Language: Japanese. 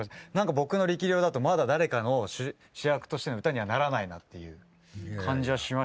僕の力量だとまだ誰かの主役としての歌にはならないなっていう感じはしました。